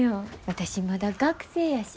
私まだ学生やし。